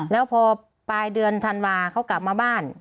แล้วพอปลายเดือนธันวาเขากลับมาบ้าน